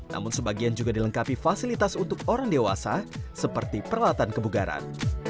namun sebagian juga dilengkapi fasilitas untuk orang dewasa seperti peralatan kebugaran